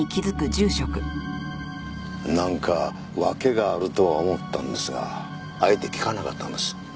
なんかわけがあるとは思ったんですがあえて聞かなかったんです。